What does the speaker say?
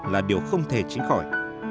là điều không thể chính khỏi